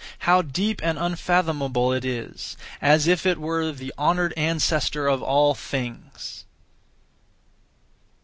How deep and unfathomable it is, as if it were the Honoured Ancestor of all things!